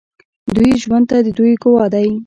د دوی ژوند د دوی ګواه دی.